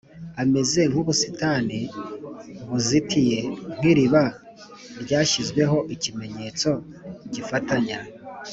Ameze nk ubusitani buzitiye nk iriba ryashyizweho ikimenyetso gifatanya